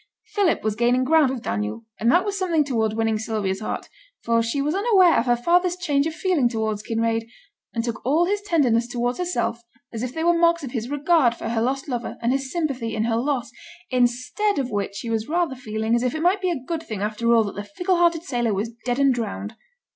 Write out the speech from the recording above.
Philip was gaining ground with Daniel, and that was something towards winning Sylvia's heart; for she was unaware of her father's change of feeling towards Kinraid, and took all his tenderness towards herself as if they were marks of his regard for her lost lover and his sympathy in her loss, instead of which he was rather feeling as if it might be a good thing after all that the fickle hearted sailor was dead and drowned.